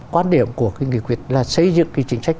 quan điểm của cái nghị quyết là xây dựng cái chính sách